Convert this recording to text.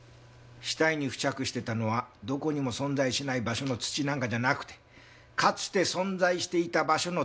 死体に付着してたのはどこにも存在しない場所の土なんかじゃなくてかつて存在していた場所の土。